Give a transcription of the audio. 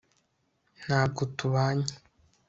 ntabwo tubanye